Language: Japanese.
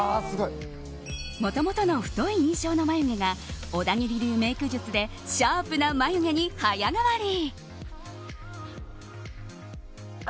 もともとの太い印象の眉毛が小田切流メイク術でシャープな眉毛に早変わり。